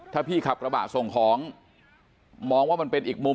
ถ้าพี่ขับกระบะส่งของมองว่ามันเป็นอีกมุม